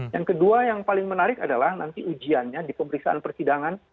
yang kedua yang paling menarik adalah nanti ujiannya di pemeriksaan persidangan